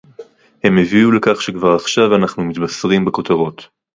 הם הביאו לכך שכבר עכשיו אנחנו מתבשרים בכותרות